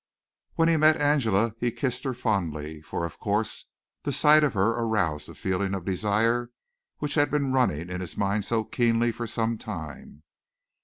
When he met Angela he kissed her fondly, for of course the sight of her aroused the feeling of desire which had been running in his mind so keenly for some time.